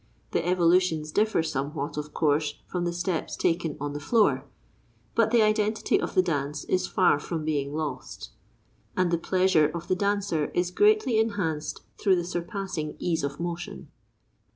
The evolutions differ somewhat, of course, from the steps taken on the floor, but the identity of the dance is far from being lost, and the pleasure of the dancer is greatly enhanced through the surpassing ease of motion.